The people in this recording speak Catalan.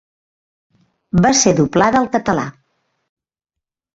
Va ser doblada al català.